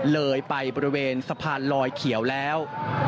เลยไปบริเวณสะพานลอยเขียวแล้ว